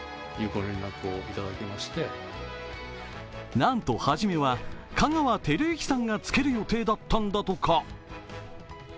なんと初めは香川照之さんがつける予定だったんだとか。